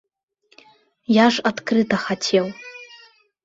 Я ж адкрыта хацеў.